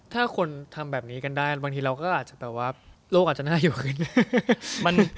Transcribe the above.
ถ้าคนทำแบบนี้กันได้บางทีเราก็อาจจะแบบว่าโลกอาจจะน่าอยู่ก็ได้